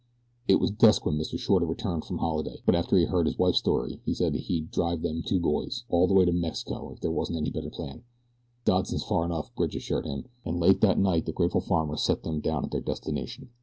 It was dusk when Mr. Shorter returned from Holliday, but after he had heard his wife's story he said that he'd drive "them two byes" all the way to Mexico, if there wasn't any better plan. "Dodson's far enough," Bridge assured him, and late that night the grateful farmer set them down at their destination.